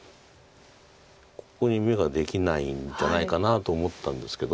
ここに眼ができないんじゃないかなと思ったんですけど。